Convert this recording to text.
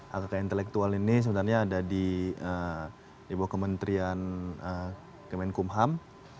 hak kekayaan intelektual ini sebenarnya ada di bawah kementerian kemenkumham